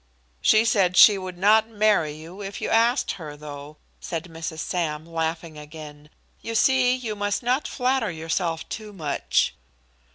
"She said she would not marry you if you asked her, though," said Mrs. Sam, laughing again. "You see you must not flatter yourself too much."